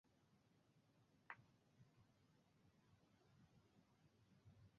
এই কোর্সটি খেলার নিয়মগুলির একটি স্থায়ী উত্তরাধিকার রেখে গেছে।